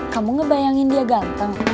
kamu ngebayangin dia ganteng